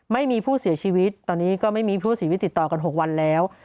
ไม่มีผู้เสียชีวิตตอนนี้ก็ไม่มีผู้เสียชีวิตติดต่อกัน๖วันแล้ว